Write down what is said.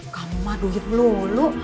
kamu mah duit lulu